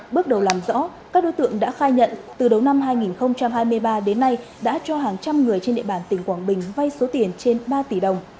bước đầu làm rõ các đối tượng đã khai nhận từ đầu năm hai nghìn hai mươi ba đến nay đã cho hàng trăm người trên địa bàn tỉnh quảng bình vay số tiền trên ba tỷ đồng